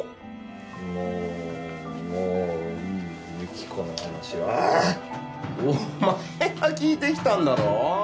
もうもういい由紀子の話は！お前が聞いてきたんだろ？